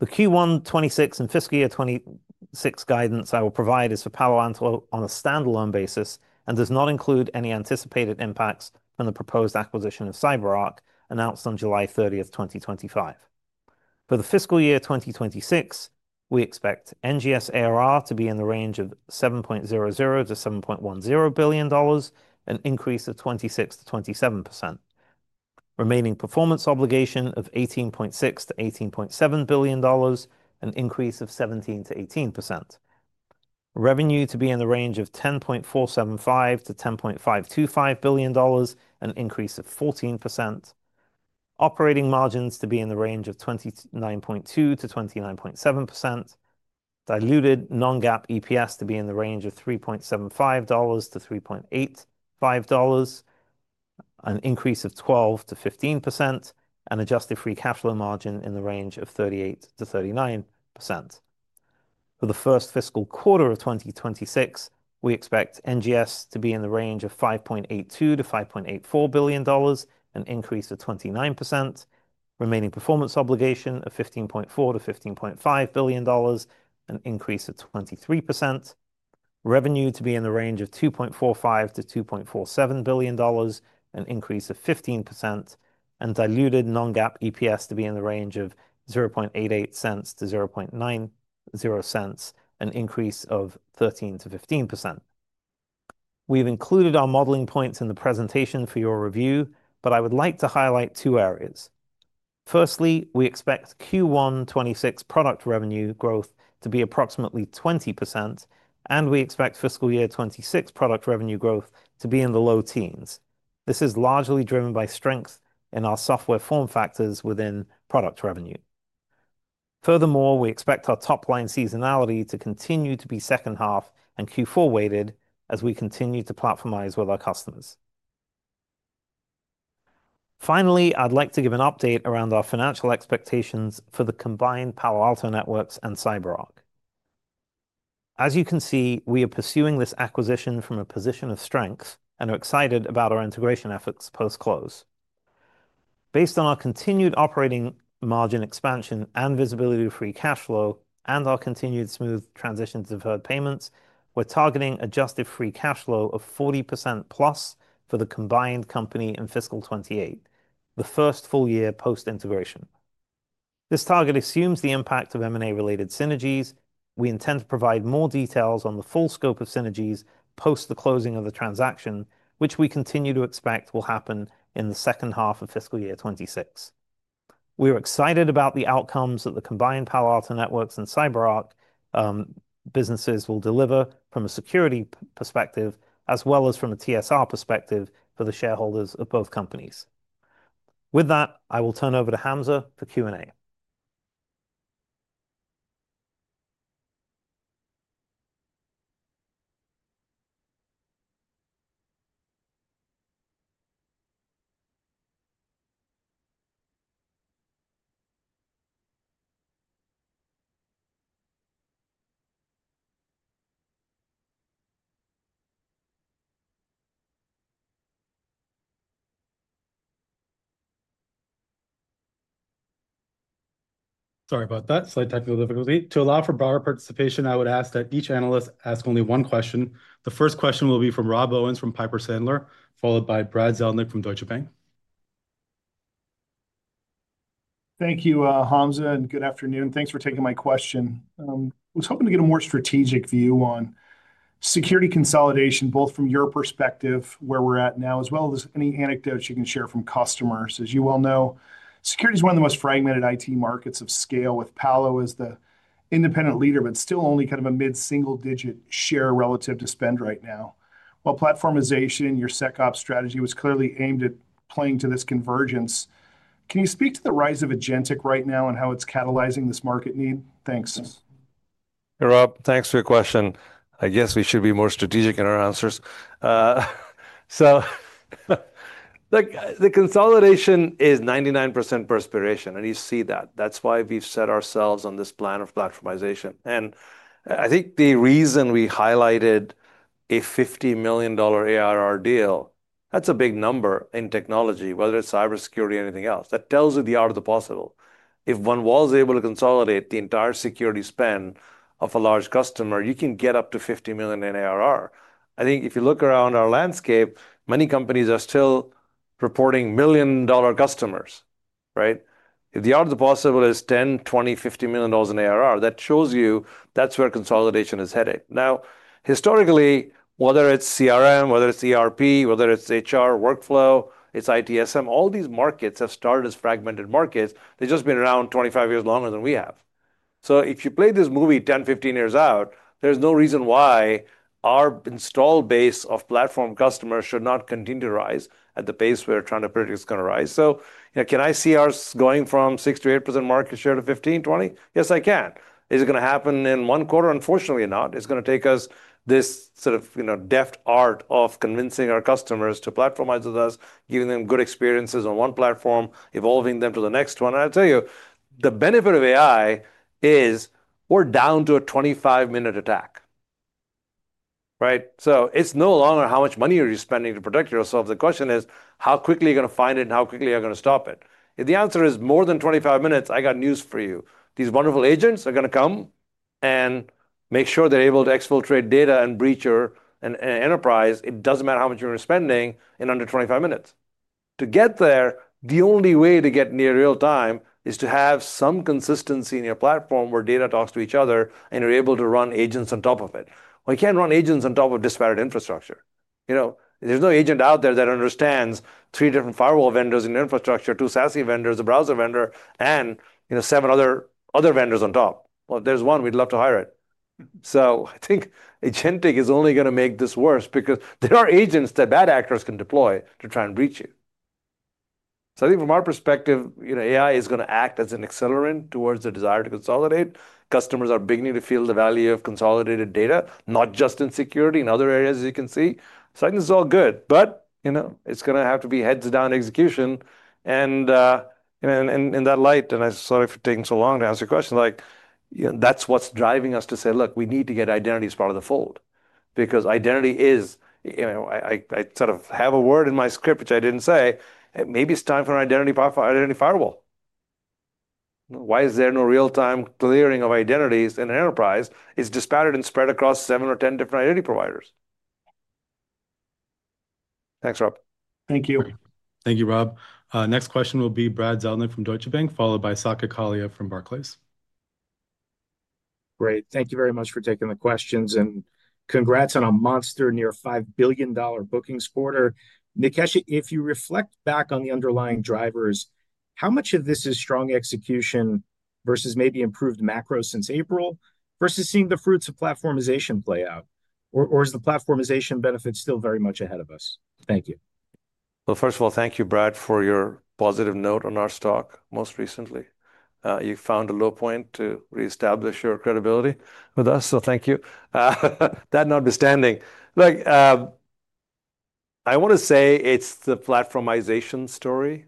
The Q1 2026 and fiscal year 2026 guidance I will provide is for Palo Alto on a standalone basis and does not include any anticipated impacts on the proposed acquisition of CyberArk, announced on July 30, 2025. For the fiscal year 2026, we expect NGS ARR to be in the range of $7.00 billion-$7.10 billion, an increase of 26%-27%. Remaining performance obligation of $18.6 billion-$18.7 billion, an increase of 17%-18%. Revenue to be in the range of $10.475 billion-$10.525 billion, an increase of 14%. Operating margins to be in the range of 29.2%-29.7%. Diluted non-GAAP EPS to be in the range of $3.75-$3.85, an increase of 12%-15%, and adjusted free cash flow margin in the range of 38%-39%. For the first fiscal quarter of 2026, we expect NGS to be in the range of $5.82 billion-$5.84 billion, an increase of 29%. Remaining performance obligation of $15.4 billion-$15.5 billion, an increase of 23%. Revenue to be in the range of $2.45 billion-$2.47 billion, an increase of 15%. Diluted non-GAAP EPS to be in the range of $0.88-$0.90, an increase of 13%-15%. We've included our modeling points in the presentation for your review, but I would like to highlight two areas. Firstly, we expect Q1 2026 product revenue growth to be approximately 20%, and we expect fiscal year 2026 product revenue growth to be in the low teens. This is largely driven by strength in our software form factors within product revenue. Furthermore, we expect our top-line seasonality to continue to be second half and Q4 weighted as we continue to platformize with our customers. Finally, I'd like to give an update around our financial expectations for the combined Palo Alto Networks and CyberArk. As you can see, we are pursuing this acquisition from a position of strength and are excited about our integration efforts post-close. Based on our continued operating margin expansion and visibility to free cash flow and our continued smooth transition to deferred payments, we're targeting adjusted free cash flow of 40%+ for the combined company in fiscal 2028, the first full year post-integration. This target assumes the impact of M&A-related synergies. We intend to provide more details on the full scope of synergies post the closing of the transaction, which we continue to expect will happen in the second half of fiscal year 2026. We are excited about the outcomes that the combined Palo Alto Networks and CyberArk businesses will deliver from a security perspective, as well as from a TSR perspective for the shareholders of both companies. With that, I will turn over to Hamza for Q&A. Sorry about that, slight technical difficulty. To allow for broader participation, I would ask that each analyst ask only one question. The first question will be from Rob Owens from Piper Sandler, followed by Brad Zelnick from Deutsche Bank. Thank you, Hamza, and good afternoon. Thanks for taking my question. I was hoping to get a more strategic view on security consolidation, both from your perspective, where we're at now, as well as any anecdotes you can share from customers. As you well know, security is one of the most fragmented IT markets of scale, with Palo as the independent leader, but still only kind of a mid-single-digit share relative to spend right now. While platformization in your SecOps strategy was clearly aimed at playing to this convergence, can you speak to the rise of agentic right now and how it's catalyzing this market need? Thanks. Rob, thanks for your question. I guess we should be more strategic in our answers. The consolidation is 99% perspiration, and you see that. That is why we've set ourselves on this plan of platformization. I think the reason we highlighted a $50 million ARR deal, that's a big number in technology, whether it's cybersecurity or anything else. That tells you the art of the possible. If one was able to consolidate the entire security spend of a large customer, you can get up to $50 million in ARR. If you look around our landscape, many companies are still reporting million-dollar customers, right? If the art of the possible is $10 million, $20 million, $50 million in ARR, that shows you that's where consolidation is headed. Now, historically, whether it's CRM, whether it's ERP, whether it's HR workflow, it's ITSM, all these markets have started as fragmented markets. They've just been around 25 years longer than we have. If you play this movie 10, 15 years out, there's no reason why our install base of platform customers should not continue to rise at the pace we're trying to predict it's going to rise. Can I see ours going from 6% to 8% market share to 15%, 20%? Yes, I can. Is it going to happen in one quarter? Unfortunately not. It's going to take us this sort of deft art of convincing our customers to platformize with us, giving them good experiences on one platform, evolving them to the next one. I'll tell you, the benefit of AI is we're down to a 25-minute attack, right? It's no longer how much money are you spending to protect yourself. The question is how quickly are you going to find it and how quickly are you going to stop it. If the answer is more than 25 minutes, I got news for you. These wonderful agents are going to come and make sure they're able to exfiltrate data and breach your enterprise. It doesn't matter how much you're spending in under 25 minutes. To get there, the only way to get near real-time is to have some consistency in your platform where data talks to each other and you're able to run agents on top of it. We can't run agents on top of disparate infrastructure. There's no agent out there that understands three different firewall vendors in your infrastructure, two SASE vendors, a browser vendor, and seven other vendors on top. If there's one, we'd love to hire it. I think agentic is only going to make this worse because there are agents that bad actors can deploy to try and breach you. I think from our perspective, you know, AI is going to act as an accelerant towards the desire to consolidate. Customers are beginning to feel the value of consolidated data, not just in security, in other areas as you can see. I think it's all good, but you know, it's going to have to be heads-down execution. In that light, and I'm sorry for taking so long to answer your question, like, you know, that's what's driving us to say, look, we need to get identity as part of the fold because identity is, you know, I sort of have a word in my script which I didn't say. Maybe it's time for an identity firewall. Why is there no real-time clearing of identities in an enterprise? It's disparate and spread across seven or 10 different identity providers. Thanks, Rob. Thank you. Thank you, Rob. Next question will be Brad Zelnick from Deutsche Bank, followed by Saket Kalia from Barclays. Great. Thank you very much for taking the questions, and congrats on a monster near $5 billion bookings quarter. Nikesh, if you reflect back on the underlying drivers, how much of this is strong execution versus maybe improved macro since April versus seeing the fruits of platformization play out? Is the platformization benefit still very much ahead of us? Thank you. First of all, thank you, Brad, for your positive note on our stock most recently. You found a low point to reestablish your credibility with us, so thank you. That notwithstanding, I want to say it's the platformization story.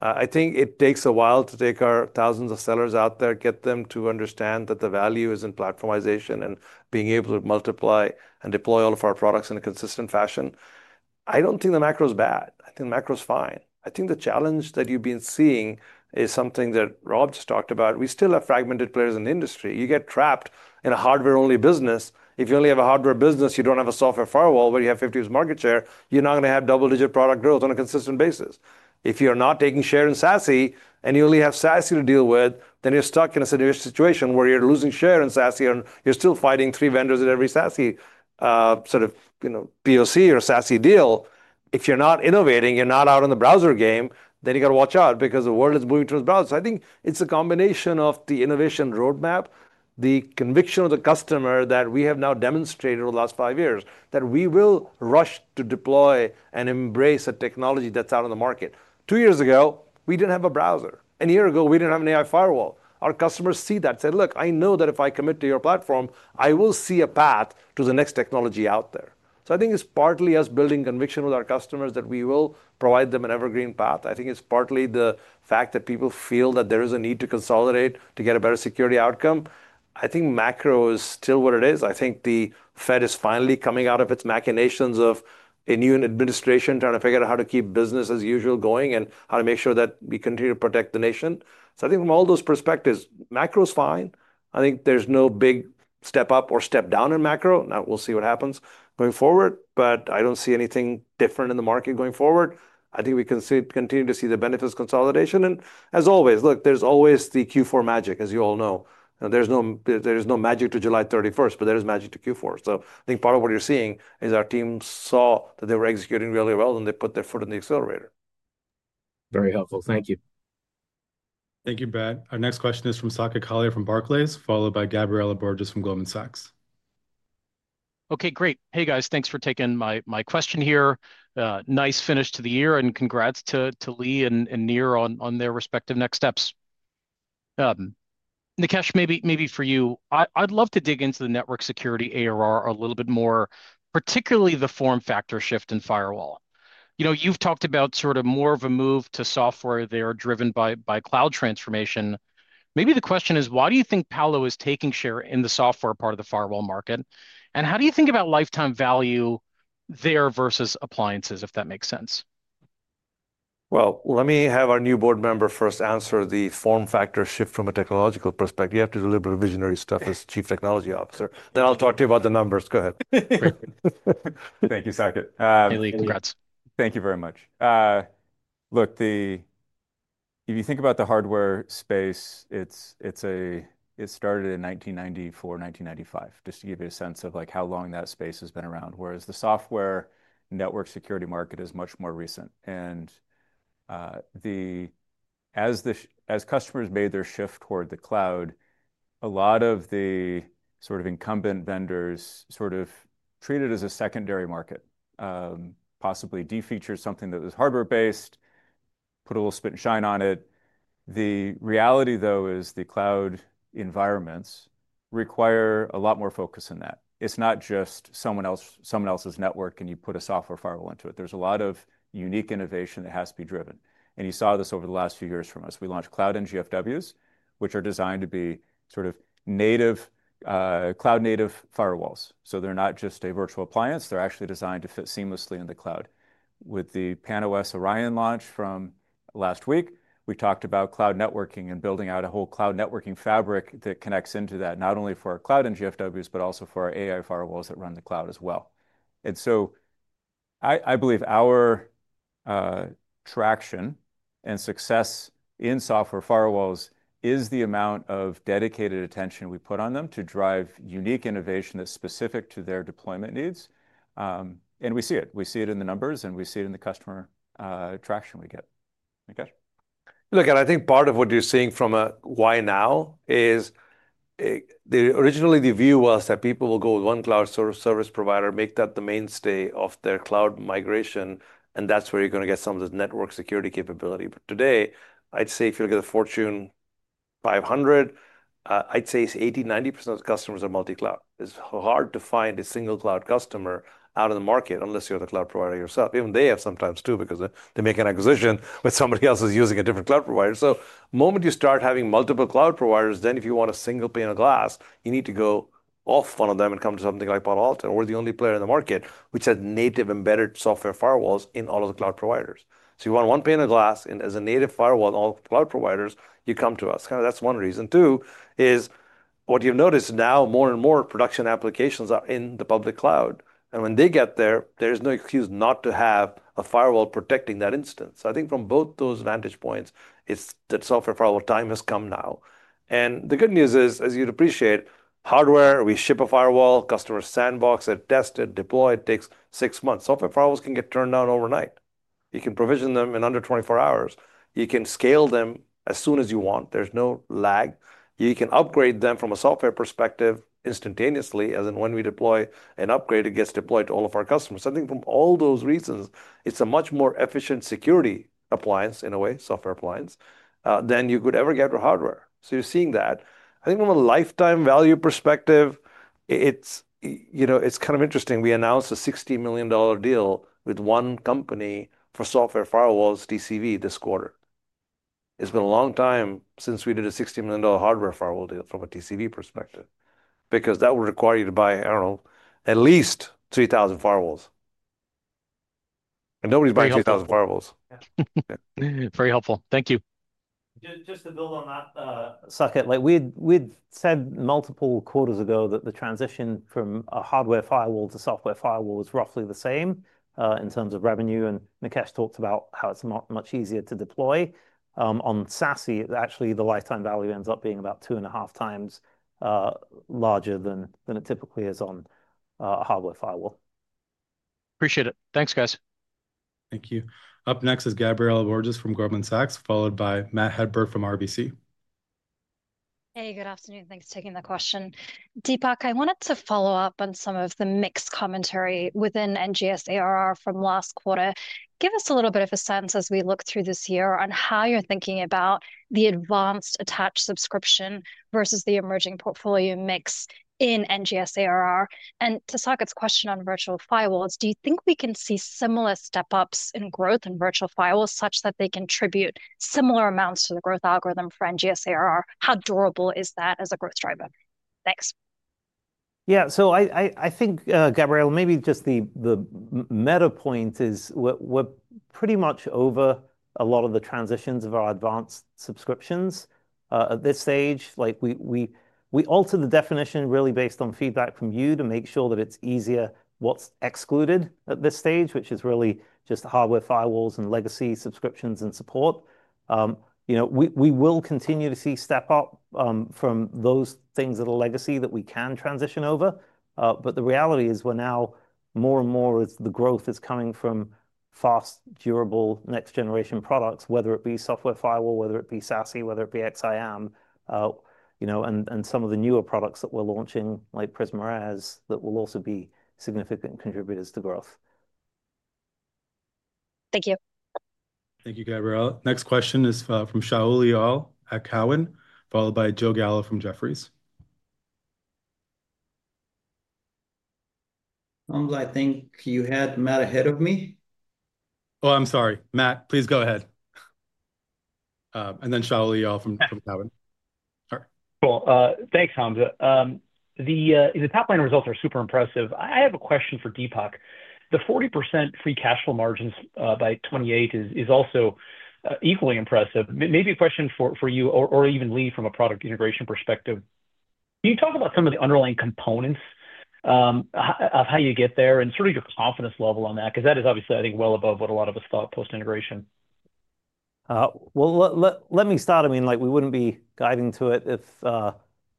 I think it takes a while to take our thousands of sellers out there, get them to understand that the value is in platformization and being able to multiply and deploy all of our products in a consistent fashion. I don't think the macro is bad. I think the macro is fine. I think the challenge that you've been seeing is something that Rob just talked about. We still have fragmented players in the industry. You get trapped in a hardware-only business. If you only have a hardware business, you don't have a software firewall where you have 50% market share. You're not going to have double-digit product growth on a consistent basis. If you're not taking share in SASE and you only have SASE to deal with, then you're stuck in a situation where you're losing share in SASE and you're still fighting three vendors in every SASE, sort of, you know, POC or SASE deal. If you're not innovating, you're not out on the browser game, then you got to watch out because the world is moving towards browsers. I think it's a combination of the innovation roadmap, the conviction of the customer that we have now demonstrated over the last five years that we will rush to deploy and embrace a technology that's out on the market. Two years ago, we didn't have a browser. A year ago, we didn't have an AI firewall. Our customers see that and say, look, I know that if I commit to your platform, I will see a path to the next technology out there. I think it's partly us building conviction with our customers that we will provide them an evergreen path. I think it's partly the fact that people feel that there is a need to consolidate to get a better security outcome. I think macro is still what it is. I think the Fed is finally coming out of its machinations of a new administration trying to figure out how to keep business as usual going and how to make sure that we continue to protect the nation. I think from all those perspectives, macro is fine. I think there's no big step up or step down in macro. Now we'll see what happens moving forward, but I don't see anything different in the market going forward. I think we can continue to see the benefits of consolidation. As always, there's always the Q4 magic, as you all know. There's no magic to July 31st, but there is magic to Q4. I think part of what you're seeing is our team saw that they were executing really well, and they put their foot in the accelerator. Very helpful. Thank you. Thank you, Brad. Our next question is from Saket Kalia from Barclays, followed by Gabriela Borges from Goldman Sachs. Okay, great. Hey guys, thanks for taking my question here. Nice finish to the year, and congrats to Lee and Nir on their respective next steps. Nikesh, maybe for you, I'd love to dig into the network security ARR a little bit more, particularly the form factor shift in firewall. You've talked about sort of more of a move to software there driven by cloud transformation. Maybe the question is, why do you think Palo is taking share in the software part of the firewall market? How do you think about lifetime value there versus appliances, if that makes sense? Let me have our new board member first answer the form factor shift from a technological perspective. You have to do a little bit of visionary stuff as Chief Technology Officer. I'll talk to you about the numbers. Go ahead. Thank you, Saket. Hey, Lee. Congrats. Thank you very much. Look, if you think about the hardware space, it started in 1994, 1995, just to give you a sense of like how long that space has been around, whereas the software network security market is much more recent. As customers made their shift toward the cloud, a lot of the sort of incumbent vendors sort of treated it as a secondary market, possibly defeatured something that was hardware-based, put a little spit and shine on it. The reality, though, is the cloud environments require a lot more focus than that. It's not just someone else's network and you put a software firewall into it. There's a lot of unique innovation that has to be driven. You saw this over the last few years from us. We launched Cloud NGFWs, which are designed to be sort of native cloud-native firewalls. They're not just a virtual appliance. They're actually designed to fit seamlessly in the cloud. With the PAN-OS Orion launch from last week, we talked about cloud networking and building out a whole cloud networking fabric that connects into that, not only for our Cloud NGFWs, but also for our AI firewalls that run the cloud as well. I believe our traction and success in software firewalls is the amount of dedicated attention we put on them to drive unique innovation that's specific to their deployment needs. We see it. We see it in the numbers, and we see it in the customer traction we get. Look, I think part of what you're seeing from a why now is originally the view was that people will go with one cloud service provider, make that the mainstay of their cloud migration, and that's where you're going to get some of this network security capability. Today, if you look at a Fortune 500, I'd say it's 80%, 90% of the customers are multi-cloud. It's hard to find a single cloud customer out in the market unless you're the cloud provider yourself. Even they have sometimes too because they make an acquisition with somebody else who's using a different cloud provider. The moment you start having multiple cloud providers, if you want a single pane of glass, you need to go off one of them and come to something like Palo Alto. We're the only player in the market which has native embedded software firewalls in all of the cloud providers. You want one pane of glass, and as a native firewall in all cloud providers, you come to us. That's one reason. Two is what you've noticed now, more and more production applications are in the public cloud. When they get there, there is no excuse not to have a firewall protecting that instance. I think from both those vantage points, it's that software firewall time has come now. The good news is, as you'd appreciate, hardware, we ship a firewall, customers sandbox it, test it, deploy it, takes six months. Software firewalls can get turned on overnight. You can provision them in under 24 hours. You can scale them as soon as you want. There's no lag. You can upgrade them from a software perspective instantaneously, as in when we deploy an upgrade, it gets deployed to all of our customers. I think from all those reasons, it's a much more efficient security appliance, in a way, software appliance, than you could ever get with hardware. You're seeing that. I think from a lifetime value perspective, it's kind of interesting. We announced a $60 million deal with one company for software firewalls, TCV, this quarter. It's been a long time since we did a $60 million hardware firewall deal from a TCV perspective because that would require you to buy, I don't know, at least 3,000 firewalls. Nobody's buying 3,000 firewalls. Very helpful. Thank you. Just to build on that, Saket, we'd said multiple quarters ago that the transition from a hardware firewall to software firewalls is roughly the same in terms of revenue. Nikesh talked about how it's much easier to deploy. On SASE, actually, the lifetime value ends up being about 2.5x larger than it typically is on a hardware firewall. Appreciate it. Thanks, guys. Thank you. Up next is Gabriela Borges from Goldman Sachs, followed by Matt Hedberg from RBC. Hey, good afternoon. Thanks for taking the question. Dipak, I wanted to follow up on some of the mixed commentary within NGS ARR from last quarter. Give us a little bit of a sense as we look through this year on how you're thinking about the advanced attached subscription versus the emerging portfolio mix in NGS ARR. To Saket's question on software firewalls, do you think we can see similar step-ups in growth in software firewalls such that they contribute similar amounts to the growth algorithm for NGS ARR? How durable is that as a growth driver? Thanks. Yeah, so I think, Gabriela, maybe just the meta point is we're pretty much over a lot of the transitions of our advanced subscriptions at this stage. Like we alter the definition really based on feedback from you to make sure that it's easier what's excluded at this stage, which is really just hardware firewalls and legacy subscriptions and support. We will continue to see step-up from those things that are legacy that we can transition over. The reality is we're now more and more as the growth is coming from fast, durable next-generation products, whether it be software firewalls, whether it be SASE, whether it be XSIAM, and some of the newer products that we're launching, like Prisma AI, that will also be significant contributors to growth. Thank you. Thank you, Gabriela. Next question is from Shaul Eyal at Cowen, followed by Joe Gallo from Jefferies. I'm glad. I think you had Matt ahead of me. Oh, I'm sorry. Matt, please go ahead. Then Shaul Eyal from Cowen. All right. Cool. Thanks, Hamza. The top-line results are super impressive. I have a question for Dipak. The 40% free cash flow margin by 2028 is also equally impressive. Maybe a question for you or even Lee from a product integration perspective. Can you talk about some of the underlying components of how you get there and sort of your confidence level on that? That is obviously, I think, well above what a lot of us thought post-integration. I mean, we wouldn't be guiding to it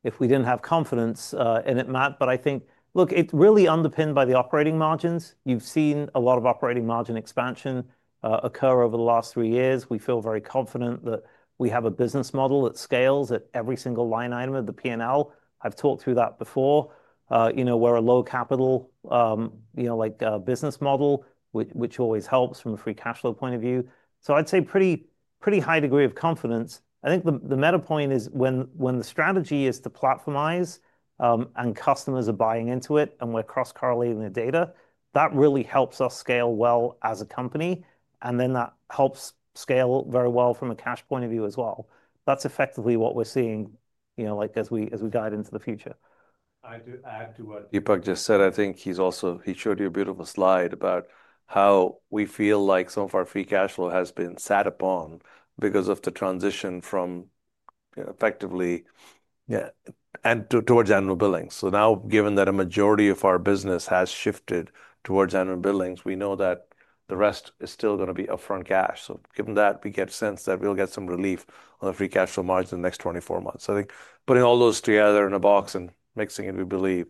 if we didn't have confidence in it, Matt. I think it's really underpinned by the operating margins. You've seen a lot of operating margin expansion occur over the last three years. We feel very confident that we have a business model that scales at every single line item of the P&L. I've talked through that before. We're a low capital, you know, like business model, which always helps from a free cash flow point of view. I'd say a pretty high degree of confidence. I think the meta point is when the strategy is to platformize and customers are buying into it and we're cross-correlating the data, that really helps us scale well as a company. That helps scale very well from a cash point of view as well. That's effectively what we're seeing as we guide into the future. I'd add to what Dipak just said. I think he's also, he showed you a bit of a slide about how we feel like some of our free cash flow has been sat upon because of the transition from, you know, effectively, yeah, and towards annual billings. Now, given that a majority of our business has shifted towards annual billings, we know that the rest is still going to be upfront cash. Given that, we get a sense that we'll get some relief on the free cash flow margin in the next 24 months. I think putting all those together in a box and mixing it, we believe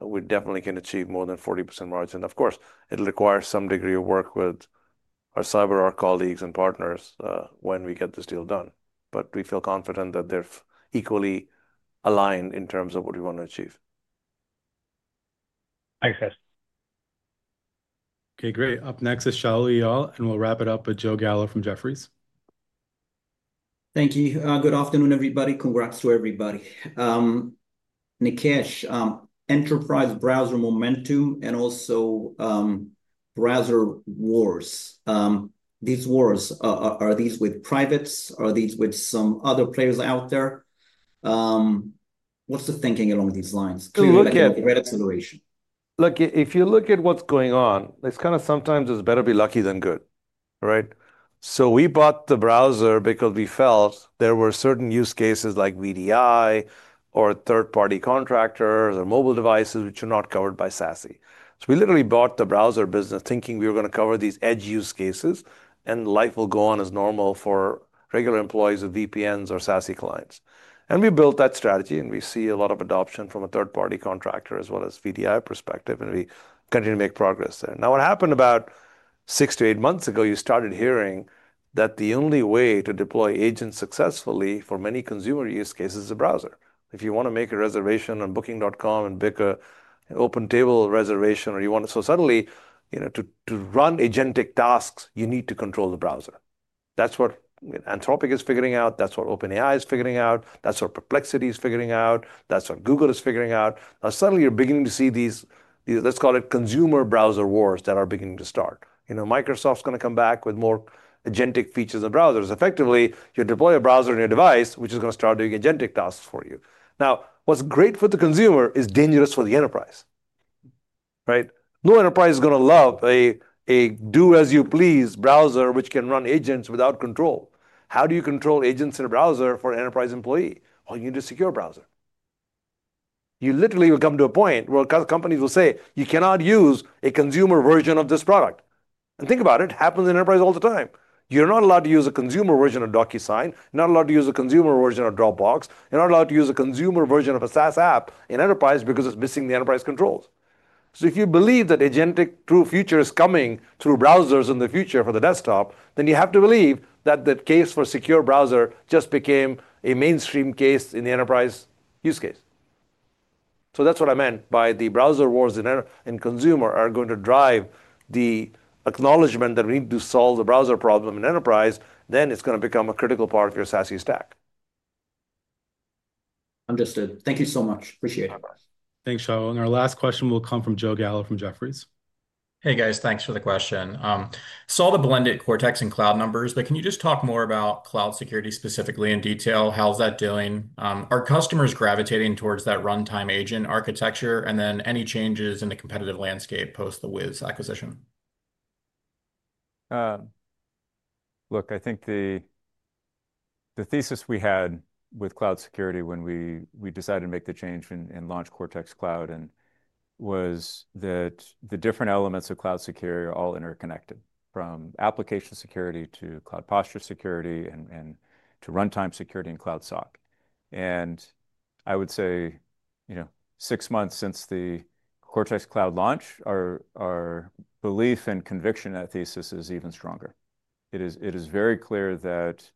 we definitely can achieve more than 40% margin. Of course, it'll require some degree of work with our CyberArk colleagues and partners when we get this deal done. We feel confident that they're equally aligned in terms of what we want to achieve. Thanks, guys. Okay, great. Up next is Shaul Eyal, and we'll wrap it up with Joe Gallo from Jefferies. Thank you. Good afternoon, everybody. Congrats to everybody. Nikesh, enterprise browser momentum and also browser wars. These wars, are these with privates? Are these with some other players out there? What's the thinking along these lines? Look, if you look at what's going on, it's kind of sometimes it's better to be lucky than good, right? We bought the browser because we felt there were certain use cases like VDI or third-party contractors or mobile devices which are not covered by SASE. We literally bought the browser business thinking we were going to cover these edge use cases, and life will go on as normal for regular employees of VPNs or SASE clients. We built that strategy, and we see a lot of adoption from a third-party contractor as well as VDI perspective, and we continue to make progress there. What happened about six to eight months ago, you started hearing that the only way to deploy agents successfully for many consumer use cases is a browser. If you want to make a reservation on booking.com and book an OpenTable reservation, or you want to, suddenly, to run agentic tasks, you need to control the browser. That's what Anthropic is figuring out. That's what OpenAI is figuring out. That's what Perplexity is figuring out. That's what Google is figuring out. Now, suddenly, you're beginning to see these, let's call it consumer browser wars that are beginning to start. Microsoft's going to come back with more agentic features of browsers. Effectively, you deploy a browser in your device, which is going to start doing agentic tasks for you. What's great for the consumer is dangerous for the enterprise, right? No enterprise is going to love a do-as-you-please browser which can run agents without control. How do you control agents in a browser for an enterprise employee? You need a secure browser. You literally will come to a point where companies will say, you cannot use a consumer version of this product. Think about it. It happens in enterprise all the time. You're not allowed to use a consumer version of DocuSign. You're not allowed to use a consumer version of Dropbox. You're not allowed to use a consumer version of a SaaS app in enterprise because it's missing the enterprise controls. If you believe that agentic true future is coming through browsers in the future for the desktop, then you have to believe that that case for a secure browser just became a mainstream case in the enterprise use case. That's what I meant by the browser wars in consumer are going to drive the acknowledgment that we need to solve the browser problem in enterprise. It's going to become a critical part of your SASE stack. Understood. Thank you so much. Appreciate it. Thanks, Shaul. Our last question will come from Joe Gallo from Jefferies. Hey, guys, thanks for the question. Saw the blended Cortex and cloud numbers, but can you just talk more about cloud security specifically in detail? How's that doing? Are customers gravitating towards that runtime agent architecture, and then any changes in the competitive landscape post the Wiz acquisition? Look, I think the thesis we had with cloud security when we decided to make the change and launch Cortex Cloud was that the different elements of cloud security are all interconnected, from application security to cloud posture security to runtime security and cloud SOC. I would say, six months since the Cortex Cloud launch, our belief and conviction in that thesis is even stronger. It is very clear that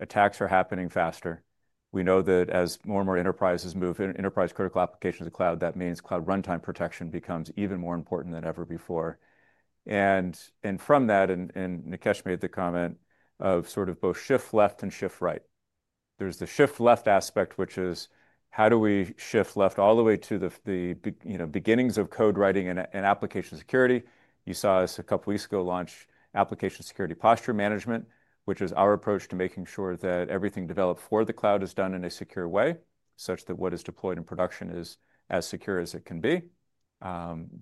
attacks are happening faster. We know that as more and more enterprises move into enterprise-critical applications of cloud, that means cloud runtime protection becomes even more important than ever before. Nikesh made the comment of sort of both shift left and shift right. There's the shift left aspect, which is how do we shift left all the way to the beginnings of code writing and application security. You saw us a couple of weeks ago launch application security posture management, which is our approach to making sure that everything developed for the cloud is done in a secure way, such that what is deployed in production is as secure as it can be.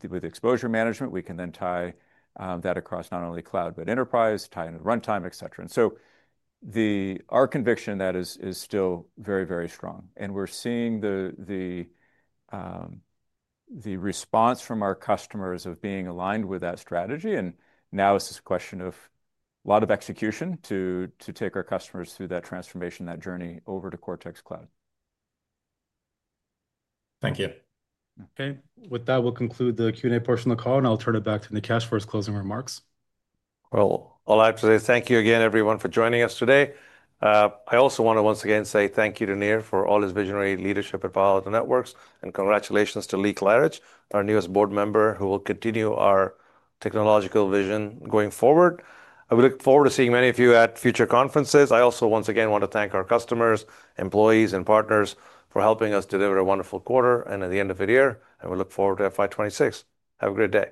With exposure management, we can then tie that across not only cloud, but enterprise, tie into runtime, etc. Our conviction in that is still very, very strong. We're seeing the response from our customers of being aligned with that strategy. Now it's a question of a lot of execution to take our customers through that transformation, that journey over to Cortex Cloud. Thank you. Okay. With that, we'll conclude the Q&A portion of the call, and I'll turn it back to Nikesh for his closing remarks. I'll add to that. Thank you again, everyone, for joining us today. I also want to once again say thank you to Nir for all his visionary leadership at Palo Alto Networks, and congratulations to Lee Klarich, our newest Board Member, who will continue our technological vision going forward. I look forward to seeing many of you at future conferences. I also once again want to thank our customers, employees, and partners for helping us deliver a wonderful quarter and at the end of the year. We look forward to FY 2026. Have a great day.